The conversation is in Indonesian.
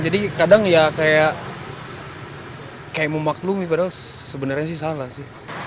jadi kadang ya kayak memaklumi padahal sebenarnya sih salah sih